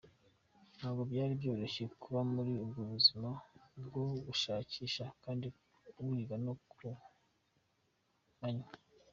Ntabwo byari byoroshye kuba muri ubwo buzima bwo gushakisha kandi wiga no ku manywa.